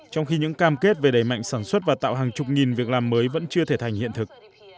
trong khi những cam kết về đầy mạnh sản xuất và tạo hàng chục nghìn việc làm mới vẫn chưa thể thành hiện thực